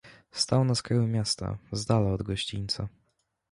"Stał na skraju miasta, zdala od gościńca."